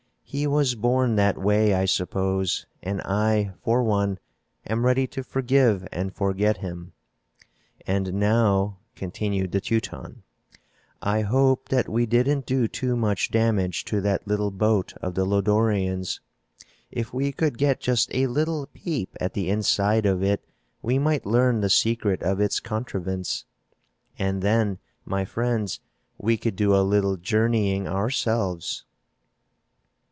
"He was born that way, I suppose, and I, for one, am ready to forgive and forget him. And now," continued the Teuton, "I hope that we didn't do too much damage to that little boat of the Lodorians. If we could get just a little peep at the inside of it we might learn the secret of its contrivance. And then, my friends, we could do a little journeying ourselves."